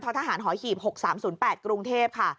ททหหข๖๓๐๘กรุงเทพฯค่ะ